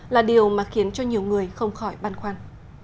là điều mà khiến cho nhiều người không khỏi băn khoăn